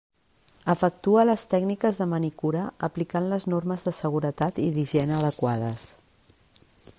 Efectua les tècniques de manicura aplicant les normes de seguretat i d'higiene adequades.